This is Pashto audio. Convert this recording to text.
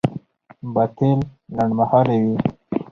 باطل لنډمهاله وي.